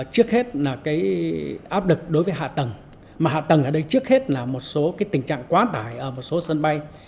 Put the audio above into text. trước hết là cái áp lực đối với hạ tầng mà hạ tầng ở đây trước hết là một số tình trạng quá tải ở một số sân bay